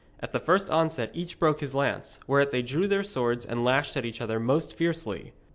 At the first onset each broke his lance; whereat they drew their swords and lashed at each other most fiercely.